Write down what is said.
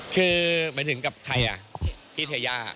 คือหมายถึงกับใครอ่ะพี่เทย่า